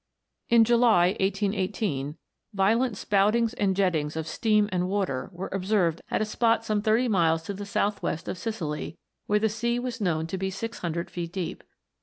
In July, 1818, violent spoutings and jettings of steam and water were observed at a spot some thirty miles to the south west of Sicily, where the sea was known to be 600 feet deep.